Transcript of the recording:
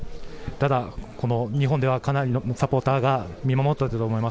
ただ、日本ではかなりのサポーターが見守っていたと思います。